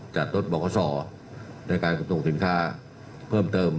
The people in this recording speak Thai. จัดรถบอกขอสอในการขนส่งสินค้าเพิ่มเติม